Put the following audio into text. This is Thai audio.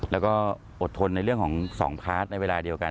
แล้วก็อดทนในเรื่องของ๒พาร์ทในเวลาเดียวกัน